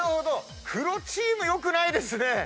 黒チーム良くないですね。